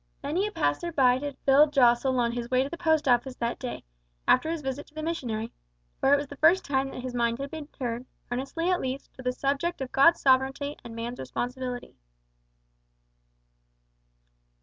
Many a passer by did Phil jostle on his way to the Post Office that day, after his visit to the missionary, for it was the first time that his mind had been turned, earnestly at least, to the subject of God's sovereignty and man's responsibility.